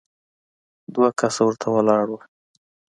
دوه کسه ورته ولاړ وو.